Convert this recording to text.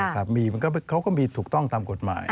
เขาก็มีถูกต้องตามกฎหมาย